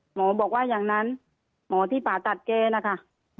หมอบอกว่าอย่างนั้นหมอที่ผ่าตัดแกนะคะ